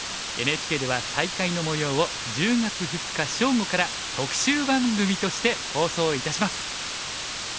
ＮＨＫでは大会のもようを１０月２日正午から特集番組として放送いたします。